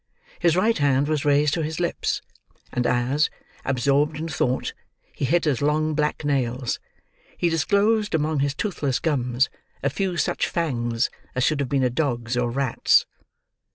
His right hand was raised to his lips, and as, absorbed in thought, he hit his long black nails, he disclosed among his toothless gums a few such fangs as should have been a dog's or rat's.